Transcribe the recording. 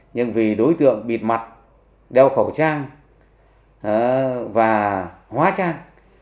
nhưng vì đối tượng bịt mặt đeo khẩu trang và hóa trang